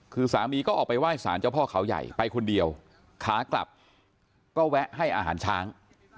คือสามีก็ออกไปไหว้สารเจ้าพ่อเขาใหญ่ไปคนเดียวขากลับก็แวะให้อาหารช้าง